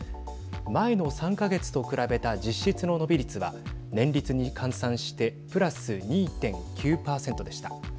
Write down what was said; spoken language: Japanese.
前の３か月と比べた実質の伸び率は年率に換算してプラス２．９％でした。